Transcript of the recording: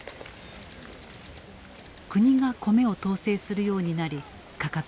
国が米を統制するようになり価格は下落。